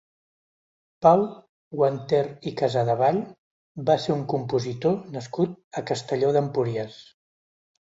Pau Guanter i Casadevall va ser un compositor nascut a Castelló d'Empúries.